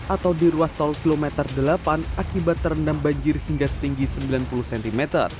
atau di ruas tol kilometer delapan akibat terendam banjir hingga setinggi sembilan puluh cm